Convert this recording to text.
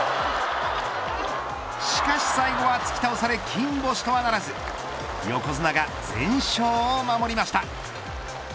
しかし最後は突き倒され金星とはならず横綱が全勝を守りました。